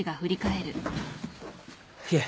いえ。